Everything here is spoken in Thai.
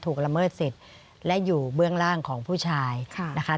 ละเมิดสิทธิ์และอยู่เบื้องล่างของผู้ชายนะคะ